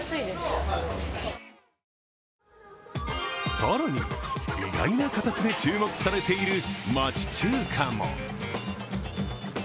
更に、意外な形で注目されている町中華も。